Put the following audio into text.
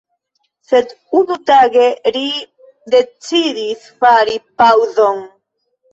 Sed unutage, ri decidis fari paŭzon.